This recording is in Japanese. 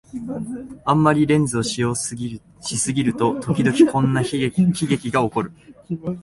あんまりレンズを信用しすぎると、ときどきこんな喜劇がおこる